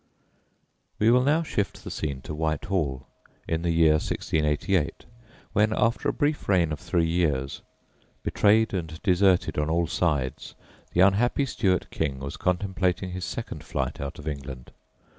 We will now shift the scene to Whitehall in the year 1688, when, after a brief reign of three years, betrayed and deserted on all sides, the unhappy Stuart king was contemplating his second flight out of England.